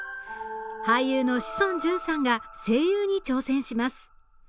俳優の志尊淳さんが声優に挑戦します。